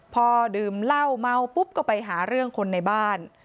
พอดื่มเหล้าเมาปุ๊บก็ไปหาเรื่องคนในบ้าน